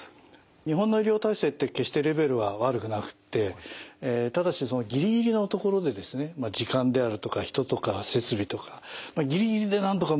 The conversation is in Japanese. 日本の医療体制って決してレベルは悪くなくってただしぎりぎりのところでですね時間であるとか人とか設備とかぎりぎりでなんとかうまくやってる。